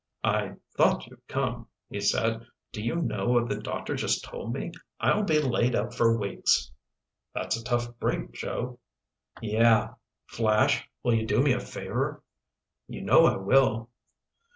"I thought you'd come," he said. "Do you know what the doctor just told me? I'll be laid up for weeks!" "That's a tough break, Joe." "Yeah. Flash, will you do me a favor?" "You know I will."